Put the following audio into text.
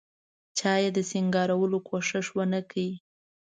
چا یې د سینګارولو کوښښ ونکړ.